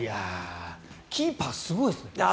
キーパー、すごいですね。